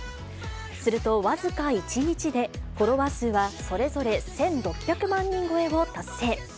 すると、僅か１日でフォロワー数はそれぞれ１６００万人超えを達成。